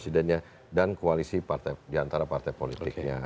dan koalisi diantara partai politiknya